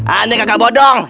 aneh kakak bodoh